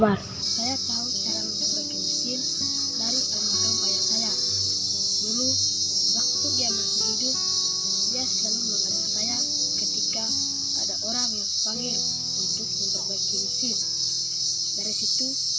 dari situ saya mulai belajar cara memperbaiki mesin